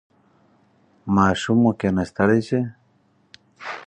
ماشوم مو کیناستلی شي؟